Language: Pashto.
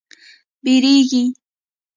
بیږیږې